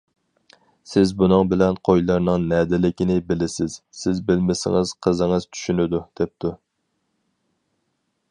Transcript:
سىز بۇنىڭ بىلەن قويلارنىڭ نەدىلىكىنى بىلىسىز، سىز بىلمىسىڭىز قىزىڭىز چۈشىنىدۇ- دەپتۇ.